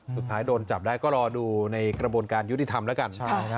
สุดท้ายโดนจับได้ก็รอดูในกระบวนการยุติธรรมแล้วกัน